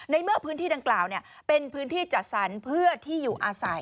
เมื่อพื้นที่ดังกล่าวเป็นพื้นที่จัดสรรเพื่อที่อยู่อาศัย